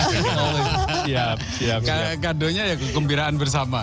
kado nya ya kekumpiraan bersama